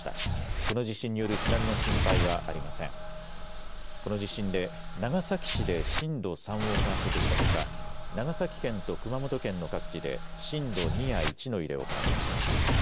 この地震で長崎市で震度３を観測したほか長崎県と熊本県の各地で震度２や１の揺れを観測しました。